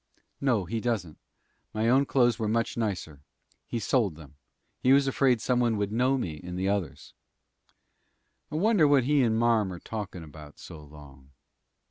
"No, he doesn't. My own clothes were much nicer. He sold them. He was afraid some one would know me in the others." "I wonder what he and marm are talking about so long?"